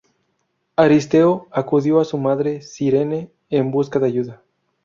Aristeo acudió a su madre, Cirene, en busca de ayuda.